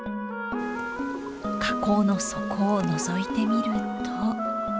河口の底をのぞいてみると。